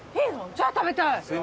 じゃあ食べたい。